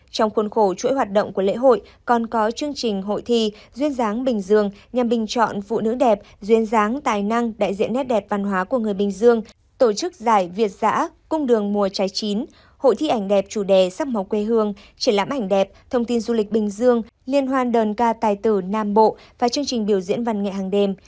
trong khuôn khổ chuỗi hoạt động của lễ hội còn có chương trình hội thi duyên dáng bình dương nhằm bình chọn phụ nữ đẹp duyên dáng tài năng đại diện nét đẹp văn hóa của người bình dương tổ chức giải việt giã cung đường mùa trái chín hội thi ảnh đẹp chủ đề sắp màu quê hương triển lãm ảnh đẹp thông tin du lịch bình dương liên hoan đờn ca tài tử nam bộ và chương trình biểu diễn văn nghệ hàng đêm